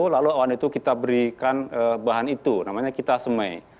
lalu awan itu kita berikan bahan itu namanya kita semai